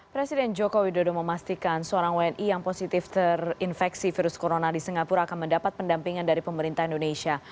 presiden joko widodo memastikan seorang wni yang positif terinfeksi virus corona di singapura akan mendapat pendampingan dari pemerintah indonesia